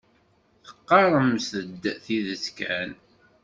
Teqqaremt-d tidet kan.